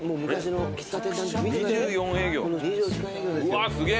うわすげ！